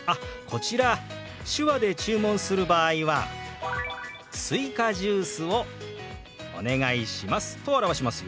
こちら手話で注文する場合は「すいかジュースをお願いします」と表しますよ。